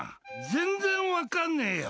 全然わかんねえよ。